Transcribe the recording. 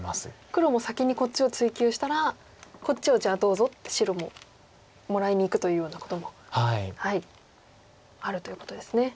黒も先にこっちを追及したらこっちをじゃあどうぞって白ももらいにいくというようなこともあるということですね。